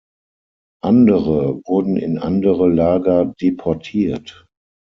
Andere wurden in andere Lager deportiert.